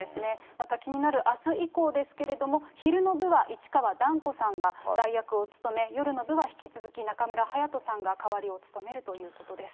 また気になるあす以降ですけれども、昼の部は市川團子さんが代役を務め、夜の部は引き続き中村隼人さんが代わりを務めるということです。